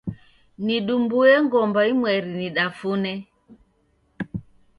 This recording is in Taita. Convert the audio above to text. Nidumbue ngomba imweri nidafune.